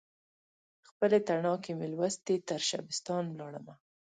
خپلې تڼاکې مې لوستي، ترشبستان ولاړمه